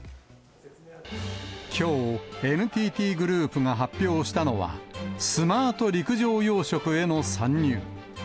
きょう、ＮＴＴグループが発表したのは、スマート陸上養殖への参入。